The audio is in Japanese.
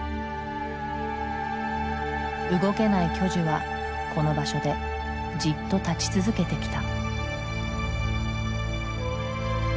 動けない巨樹はこの場所でじっと立ち続けてきた。